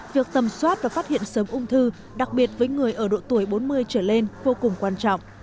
việc tầm soát và phát hiện sớm ung thư đặc biệt với người ở độ tuổi bốn mươi trở lên vô cùng quan trọng